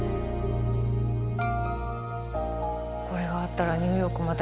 これがあったらニューヨークまた